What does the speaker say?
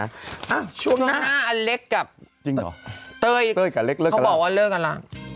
อ่าช่วงหน้าอันเล็กกับเต้ยเขาบอกว่าเล็กกันล่ะ